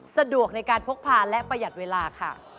สะดวกในการพกพาและประหยัดเวลาค่ะ